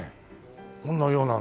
こんなようなのが。